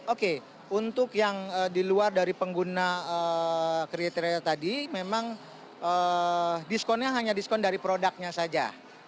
oke untuk yang di luar dari pengguna kriteria tadi memang diskonnya hanya diskon dari produknya saja